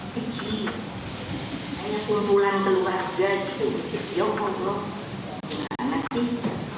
kecil kayak kumpulan keluarga gitu ya allah gimana sih